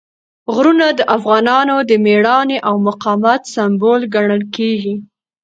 غرونه د افغانانو د مېړانې او مقاومت سمبول ګڼل کېږي.